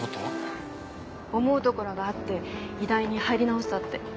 思うところがあって医大に入り直したって。